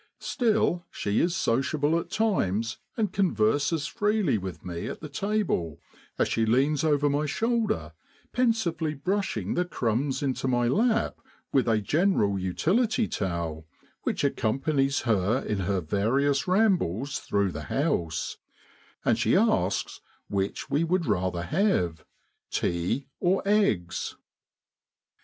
Still, she is sociable at times and converses freely with me at the table, as she leans over my shoulder, pensively brushing the crumbs into my lap with a general utility towel which accompanies her in her various rambles through the house, and she asks which we would rather have "tea or eggs?"